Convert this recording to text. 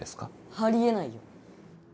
あり得ないよ。